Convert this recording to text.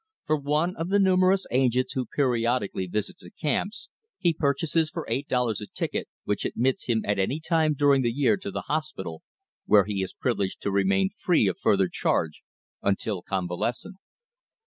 From one of the numerous agents who periodically visit the camps, he purchases for eight dollars a ticket which admits him at any time during the year to the hospital, where he is privileged to remain free of further charge until convalescent.